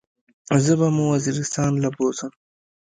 زه به مو وزيرستان له بوزم.